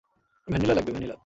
Vanilla লাগবে, vanilla?